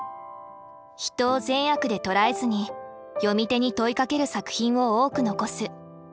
人を善悪で捉えずに読み手に問いかける作品を多く残す。